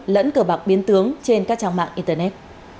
lẫn cờ bạc biến tướng trên các trang mạng internet